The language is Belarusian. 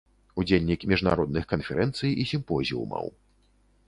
Удзельнік міжнародных канферэнцый і сімпозіумаў.